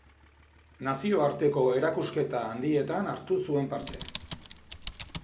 Nazioarteko erakusketa handietan hartu zuen parte.